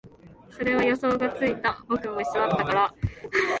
それは予想がついた、僕も一緒だったから